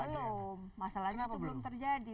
belum masalahnya itu belum terjadi